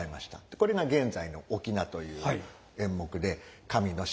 これが現在の「翁」という演目で神の神事芸能だと。